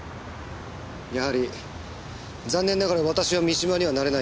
やはり残念ながら私は三島にはなれないようです。